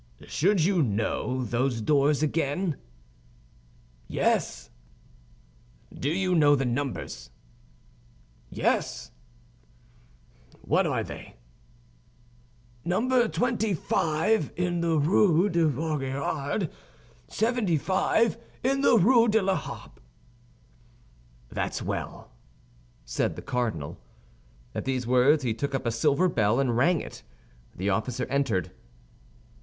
"Should you know those doors again?" "Yes." "Do you know the numbers?" "Yes." "What are they?" "No. 25 in the Rue de Vaugirard; 75 in the Rue de la Harpe." "That's well," said the cardinal. At these words he took up a silver bell, and rang it; the officer entered.